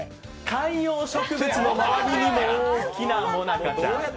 観葉植物の周りにも、もなかちゃん。